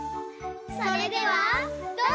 それではどうぞ！